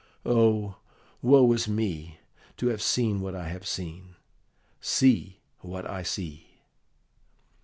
Oh, woe is me, to have seen what I have seen, see what I see!"